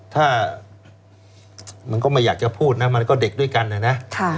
ถ้ามันก็ไม่อยากจะพูดนะมันก็เด็กด้วยกันนะ